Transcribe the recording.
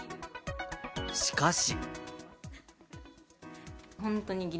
しかし。